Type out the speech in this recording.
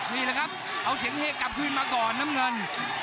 นี่แหละครับเอาเสียงเฮกลับคืนมาก่อนน้ำเงิน